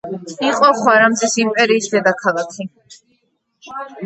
იყო ხვარაზმის იმპერიის დედაქალაქი.